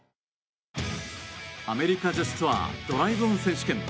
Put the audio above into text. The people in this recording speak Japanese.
アメリカ女子ツアードライブ・オン選手権。